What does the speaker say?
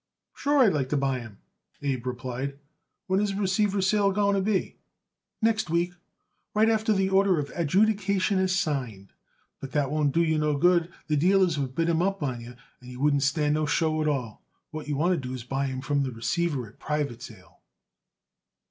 "Sure I'd like to buy them," Abe replied. "When is the receiver's sale going to be?" "Next week, right after the order of adjudication is signed. But that won't do you no good. The dealers would bid 'em up on you, and you wouldn't stand no show at all. What you want to do is to buy 'em from the receiver at private sale."